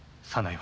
は